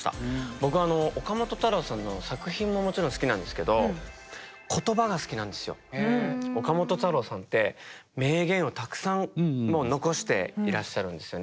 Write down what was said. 僕はあの岡本太郎さんの作品ももちろん好きなんですけど岡本太郎さんって名言をたくさん残していらっしゃるんですよね。